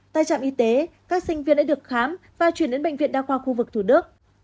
tại trạm y tế các sinh viên đã được khám và chuyển đến bệnh viện đa khoa khu vực thủ đức